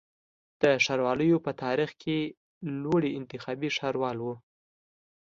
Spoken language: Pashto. د ښاروالیو په تاریخ کي لوړی انتخابي ښاروال و